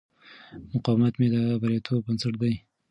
مقاومت مې د بریالیتوب بنسټ دی.